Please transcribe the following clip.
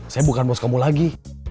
saya bukan bos kamu lagi